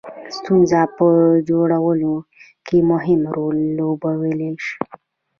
ستونزو په جوړولو کې مهم رول لوبولای شي.